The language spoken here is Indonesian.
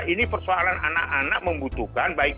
ini persoalan anak anak membutuhkan baik